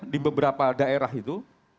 di beberapa daerah itu